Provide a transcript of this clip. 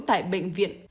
tại bệnh viện